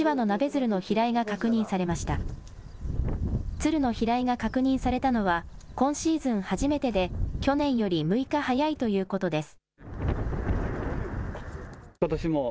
鶴の飛来が確認されたのは、今シーズン初めてで、去年より６日早いということです。